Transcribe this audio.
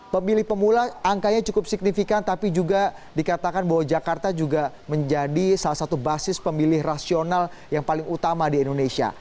pemilih pemula angkanya cukup signifikan tapi juga dikatakan bahwa jakarta juga menjadi salah satu basis pemilih rasional yang paling utama di indonesia